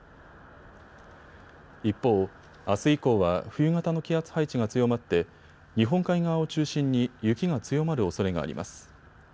一方、あす以降は冬型の気圧配置が強まって日本海側を中心に雪が強まるおそれがあります。